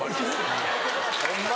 ホンマ？